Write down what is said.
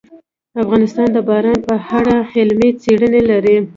افغانستان د باران په اړه علمي څېړنې لري.